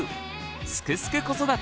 「すくすく子育て」